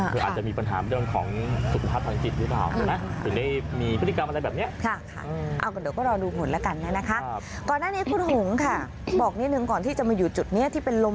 ค่ะเธออาจจะมีปัญหาเพียงตะวันของสุขภาพภัณฑ์จิตอยู่ทางอยู่แล้วนะ